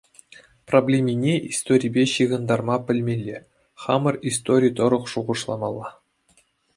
Проблемине историпе ҫыхӑнтарма пӗлмелле, хамӑр истори тӑрӑх шухӑшламалла.